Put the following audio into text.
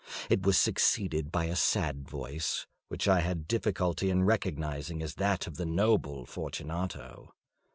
It was succeeded by a sad voice, which I had difficulty in recognising as that of the noble Fortunato.